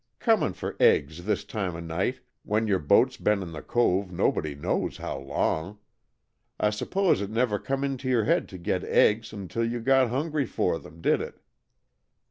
Cormin' for eggs this time of night when your boat's been in the cove nobody knows how long. I suppose it never come into your head to get eggs until you got hungry for them, did it?"